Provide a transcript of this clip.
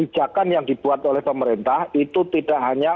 jalan lah gitu ya